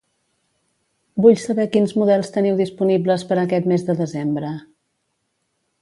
Vull saber quins models teniu disponibles per a aquest mes de desembre.